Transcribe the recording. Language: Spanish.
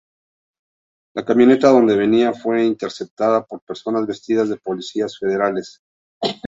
La camioneta donde venía fue interceptada por personas vestidas de policías federales.